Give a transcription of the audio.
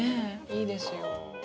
いいですよ。